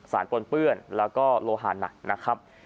ปนเปื้อนแล้วก็โลหาหนักนะครับ